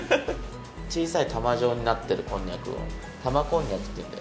ちいさいたまじょうになってるこんにゃくをたまこんにゃくっていうんだよ。